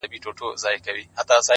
بيا يوازيتوب دی بيا هغه راغلې نه ده;